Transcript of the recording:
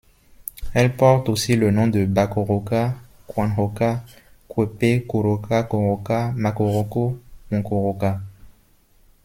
Elle porte aussi le nom de bakoroka, cuanhoca, cuepe, curoca, koroka, makoroko, mucoroca.